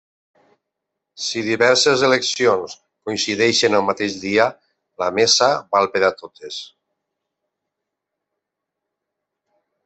Si diverses eleccions coincideixen el mateix dia, la mesa val per a totes.